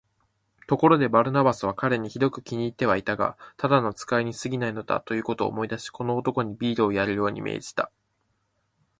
ところで、バルナバスは彼にひどく気に入ってはいたが、ただの使いにすぎないのだ、ということを思い出し、この男にビールをやるように命じた。